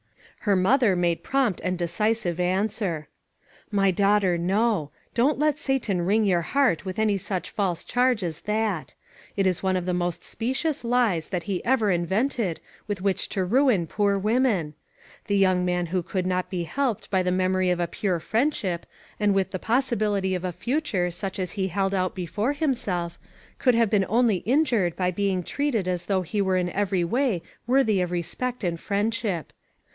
Her mother made prompt and decisive answer :" My daughter, no. Don't let Satan wring your heart with any such false charge as that. It is one of the most specious lies that he ever invented with which to ruin 4O8 ONE COMMONPLACE DAY. poor women. The young man who could not be helped by the memory of a pure friendship, and with the possibility of a future such as he held out before himself, could have been only injured by being treated as though he were in every way worthy of respect and friendship.